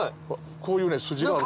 こういうスジが。